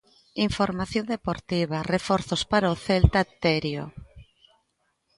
Información deportiva, reforzos para o Celta, Terio.